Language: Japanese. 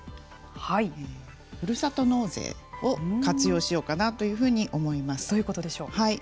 ふるさと納税を活用しようかなというふうにどういうことでしょう？